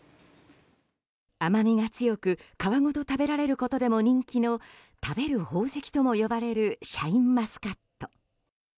甘みが強く皮ごと食べられることでも人気の食べる宝石とも呼ばれるシャインマスカット。